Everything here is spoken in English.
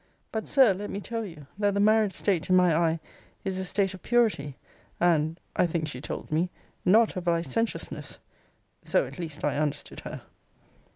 But, Sir, let me tell you, that the married state, in my eye, is a state of purity, and [I think she told me] not of licentiousness; so, at least, I understood her.